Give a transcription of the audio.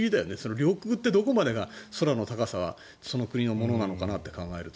領空ってどこまでの高さがその国のものなのかなと考えると。